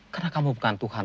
karena kamu bukan tuhan